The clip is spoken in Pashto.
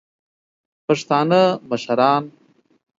پښتانه مشران